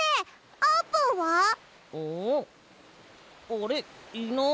あれいない。